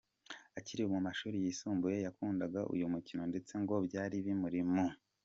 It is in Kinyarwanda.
Akiri mu mashuri yisumbuye yakundaga uyu mukino ndetse ngo byari bimuri mu.